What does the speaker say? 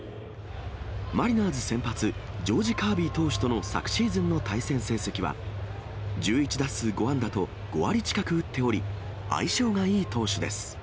マリナーズ先発、ジョージ・カービー投手との昨シーズンの対戦成績は１１打数５安打と、５割近く打っており、相性がいい投手です。